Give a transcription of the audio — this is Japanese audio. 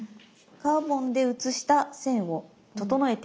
カーボンで写した線を整えていきます。